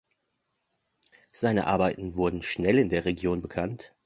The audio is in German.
Seine Arbeiten wurden schnell in der Region bekannt.